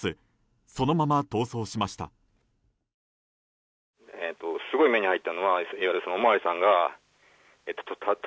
そのまま逃走しました。